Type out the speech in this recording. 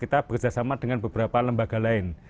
kemudian kita bekerjasama dengan beberapa lembaga lainnya